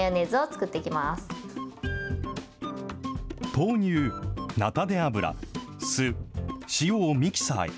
豆乳、菜種油、酢、塩をミキサーへ。